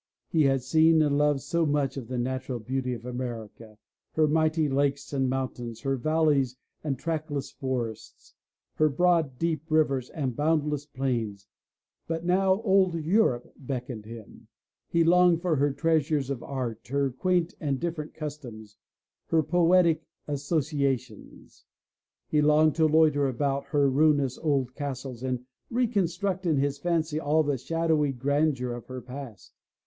He had seen and loved so much of the natural beauty of America, her mighty lakes and mountains, her valleys and trackless forests, her broad, deep rivers and boundless plains, but now old Europe beckoned him. He longed for her treasures of art, her quaint and different customs, her poetic as sociations. He longed to loiter about her ruinous old castles, and reconstruct in his fancy all the shadowy grandeur of her past.